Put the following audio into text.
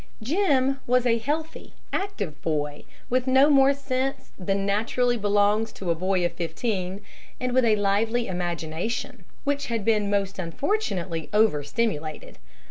Jim was a healthy, active boy, with no more sense than naturally belongs to a boy of fifteen, and with a lively imagination, which had been most unfortunately overstimulated.